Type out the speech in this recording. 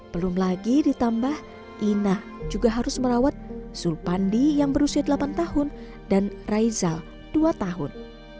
belum lagi ditambah ina juga harus merawat zul pandi yang berusia delapan tahun dan raizal dua tahun